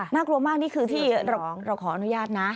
น่ากลัวมากนี่คือที่เราขออนุญาตนะ